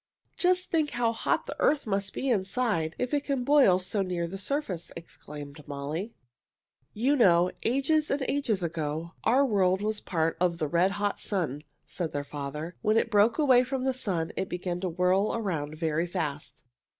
"Just think how hot the earth must be inside, if it can boil so near the surface!" exclaimed Molly. "You know, ages and ages ago, our world was part of the red hot sun," said their father. "When it broke away from the sun it began to whirl around very fast.